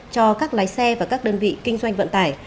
cho các lái xe và các đơn vị kinh doanh vận tải